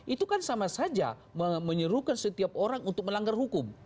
itu kan sama saja menyerukan setiap orang untuk melanggar hukum